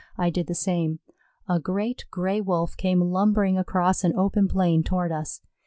I did the same. A great Gray wolf came lumbering across an open plain toward us.